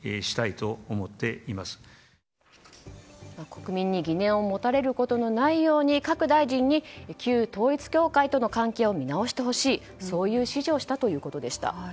国民に疑念を持たれることの内容に各大臣に、旧統一教会との関係を見直してほしい、そういう指示をしたということでした。